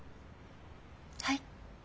はい？